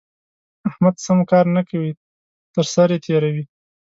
احمد سم کار نه کوي؛ تر سر يې تېروي.